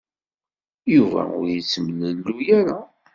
Yuba ur yettemlelluy ara.